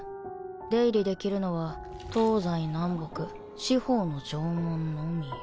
出入りできるのは東西南北四方の城門のみ。